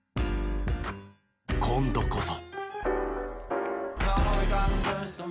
今度こそ。